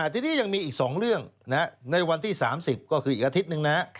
ทีนี้ยังมีอีก๒เรื่องในวันที่๓๐ก็คืออีกอาทิตย์หนึ่งนะ